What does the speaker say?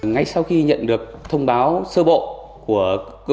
ngay sau khi nhận được thông tin hắn đã đặt tên tội phạm lọc lõi